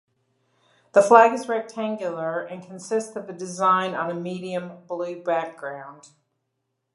The flag is rectangular, and consists of a design on a medium blue background.